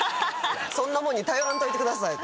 そんなもんに頼らんといてください。